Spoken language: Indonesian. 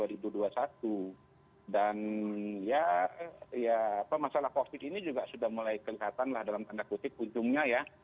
dan ya apa masalah covid ini juga sudah mulai kelihatan lah dalam tanda kutip untungnya ya